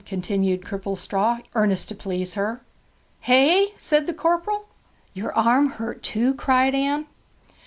continued Cripplestraw, earnest to please her. 'Hey?' said the corporal. 'Your arm hurt too?' cried Anne.